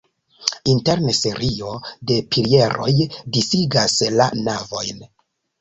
Interne serio de pilieroj disigas la navojn.